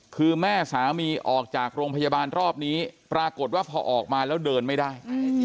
คือแม่สามีออกจากโรงพยาบาลรอบนี้ปรากฏว่าพอออกมาแล้วเดินไม่ได้